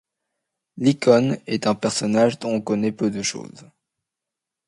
Lycon est un personnage dont on sait peu de choses.